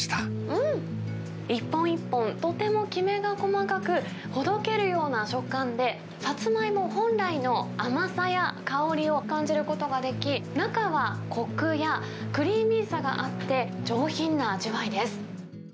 うん、一本一本とてもきめが細かく、ほどけるような食感で、さつまいも本来の甘さや香りを感じることができ、中はこくやクリーミーさがあって、上品な味わいです。